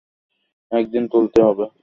একদিন তুলতে হবে।